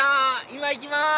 今行きます！